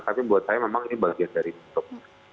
tapi buat saya memang ini bagian dari bentuk